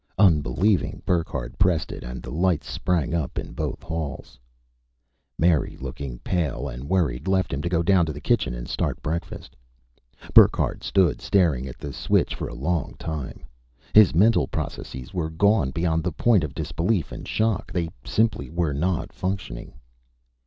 Unbelieving, Burckhardt pressed it and the lights sprang up in both halls. Mary, looking pale and worried, left him to go down to the kitchen and start breakfast. Burckhardt stood staring at the switch for a long time. His mental processes were gone beyond the point of disbelief and shock; they simply were not functioning.